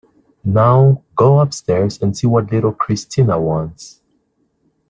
Now go upstairs and see what little Christina wants.